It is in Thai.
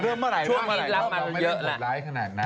เริ่มเมื่อไหร่บ้างก็ไม่ได้หลบล้ายขนาดนั้น